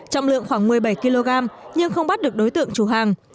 trọng lượng khoảng một mươi bảy kg nhưng không bắt được đối tượng chủ hàng